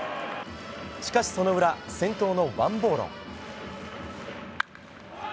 しかし、その裏先頭のワン・ボーロン。